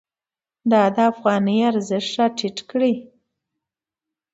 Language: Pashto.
دا د افغانۍ ارزښت راټیټ کړی.